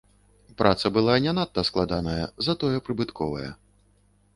Праца была не надта складаная, затое прыбытковая.